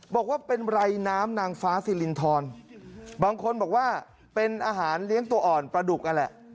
บอกว่าเป็นไรน้ำนางฟ้าสิรินทรบางคนบอกว่าเป็นอาหารเลี้ยงตัวอ่อนปลาดุกนั่นแหละ